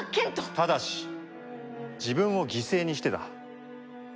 ただし自分を犠牲にしてだ。